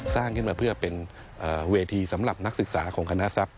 สร้างขึ้นมาเพื่อเป็นเวทีสำหรับนักศึกษาของคณะทรัพย